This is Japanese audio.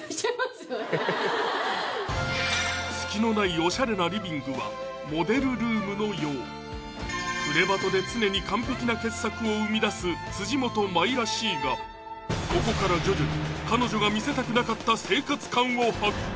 オシャレなリビングはモデルルームのよう「プレバト」で常に完璧な傑作を生み出す辻元舞らしいがここから徐々に彼女が見せたくなかった生活感を発見！